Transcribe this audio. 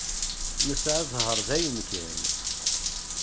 Nesɛa ẓẓher dayen kan.